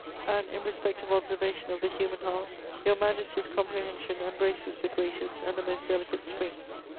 And, in respect of observation of the human heart, Your Majesty's comprehension embraces the greatest and the most delicate springs.